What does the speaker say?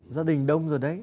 gia đình đông rồi đấy